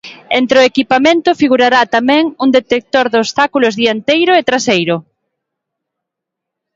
Entre o equipamento figurará tamén un "detector de obstáculos dianteiro e traseiro".